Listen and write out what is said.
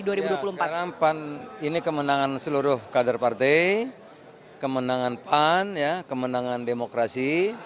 karena pan ini kemenangan seluruh kader partai kemenangan pan kemenangan demokrasi